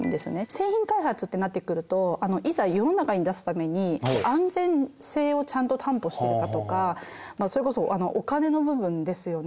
製品開発ってなってくるといざ世の中に出すために安全性をちゃんと担保してるかとかそれこそお金の部分ですよね。